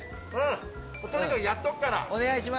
とにかくやっておくから！